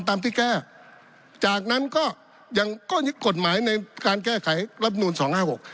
ตามที่แก้จากนั้นก็ยังก็ยึดกฎหมายในการแก้ไขรับนูลสองห้าหก